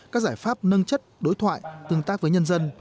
các giải pháp nâng chất đối thoại tương tác với nhân dân